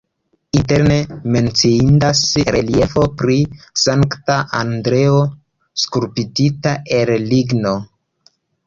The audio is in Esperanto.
Interne menciindas reliefo pri Sankta Andreo skulptita el ligno.